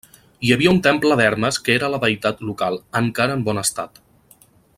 Hi havia un temple d'Hermes que era la deïtat local, encara en bon estat.